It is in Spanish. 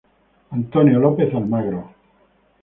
Antonio López Almagro.